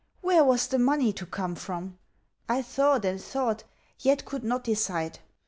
Where was the money to come from? I thought and thought, yet could not decide.